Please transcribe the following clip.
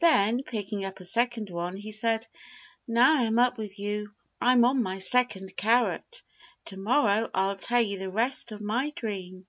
Then, picking up a second one, he said: "Now I'm up with you. I'm on my second carrot. To morrow morning I'll tell you the rest of the dream."